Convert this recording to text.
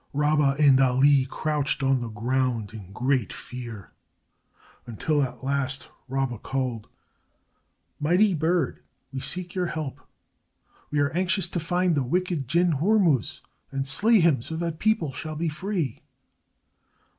Rabba and Ali crouched on the ground in great fear, until at last Rabba called: "Mighty bird, we seek your help. We are anxious to find the wicked jinn, Hormuz, and slay him so that people shall be free."